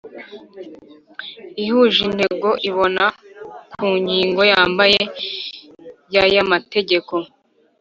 ihuje intego iboneka ku ngingo yambere y ayamategeko